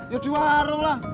ya di warung lah